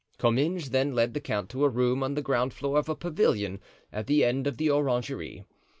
Comminges then led the count to a room on the ground floor of a pavilion, at the end of the orangery.